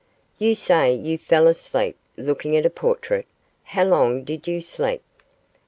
You say you fell asleep looking at a portrait. How long did you sleep?